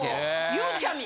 ゆうちゃみ！